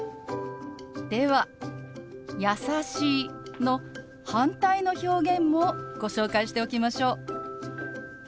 では「優しい」の反対の表現もご紹介しておきましょう。